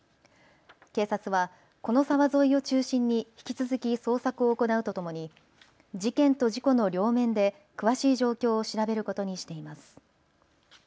警察はこの沢沿いを中心に引き続き捜索を行うとともに事件と事故の両面で詳しい状況を調べることにしています。